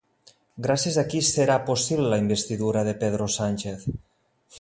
Gràcies a qui serà possible la investidura de Pedro Sánchez?